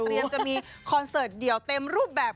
จะมีคอนเสิร์ตเดี่ยวเต็มรูปแบบ